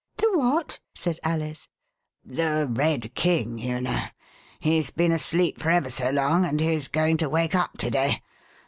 "The what?" said Alice, "The Red King, you know; he's been asleep for ever so long, and he's going to wake up to day.